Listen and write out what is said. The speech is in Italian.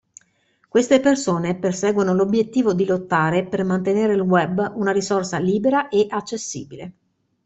Queste persone perseguono l'obbiettivo di lottare per mantenere il Web una risorsa libera e accessibile.